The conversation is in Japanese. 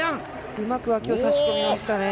うまくわきを差し込みました。